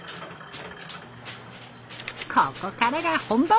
ここからが本番！